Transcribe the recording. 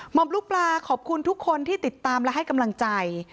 หมอปลามลูกปลาขอบคุณทุกคนที่ติดตามและให้กำลังใจ